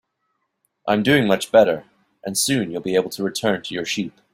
I'm doing much better, and soon you'll be able to return to your sheep.